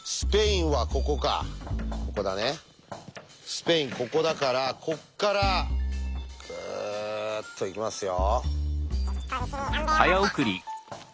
スペインここだからこっからずっと行きますよ。